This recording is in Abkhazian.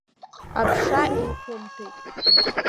Аԥша еиқәымтәеит.